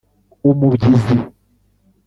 umubyizi